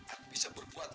aku bisa berbuat